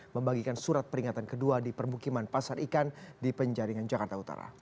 membagikan surat peringatan kedua di permukiman pasar ikan di penjaringan jakarta utara